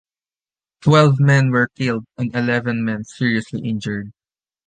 Twelve men were killed, and eleven men seriously injured.